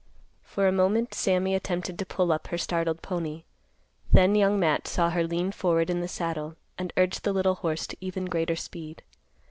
For a moment Sammy attempted to pull up her startled pony. Then Young Matt saw her lean forward in the saddle, and urge the little horse to even greater speed.